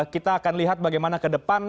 kita akan lihat bagaimana ke depan